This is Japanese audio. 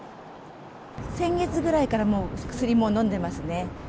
先月ぐらいからもう薬飲んでますね。